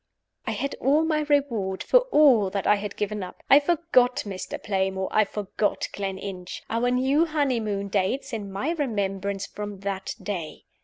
I had all my reward for all that I had given up. I forgot Mr. Playmore; I forgot Gleninch. Our new honeymoon dates, in my remembrance, from that day.